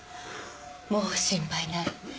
もう心配ない。